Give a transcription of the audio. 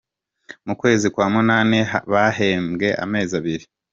Mu kwezi kwa munani bahembwe amezi abiri